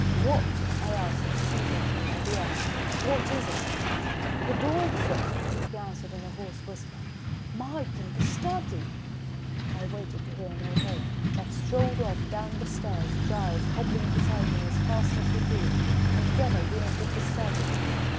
"What?" I asked, seizing him by the arm. "What is it?" "The dawg, sir," he answered in a hoarse whisper, "Mike in the study " I waited to hear no more, but strode off down the stairs, Giles hobbling beside me as fast as he could, and together we entered the study.